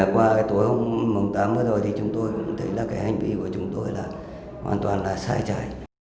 qua cái tối hôm tám vừa rồi thì chúng tôi cũng thấy là cái hành vi của chúng tôi là hoàn toàn là sai trái